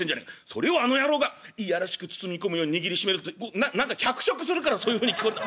それをあの野郎が嫌らしく包み込むように握りしめるな何か脚色するからそういうふうに聞こえんだ。